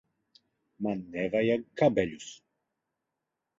Man nevajag kabeļus.